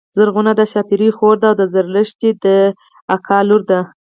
زرغونه د ښاپيرې خور ده او د زرلښتی د ترور لور ده